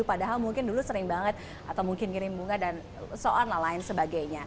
padahal mungkin dulu sering banget atau mungkin kirim bunga dan seolah olah lain sebagainya